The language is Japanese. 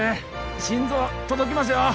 心臓届きますよ